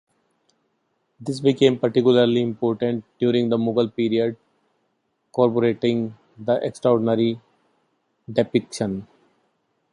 This became particularly important during the Mughal period corroborating this extraordinary depiction.